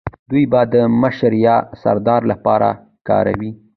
دوی به د مشر یا سردار لپاره کاروی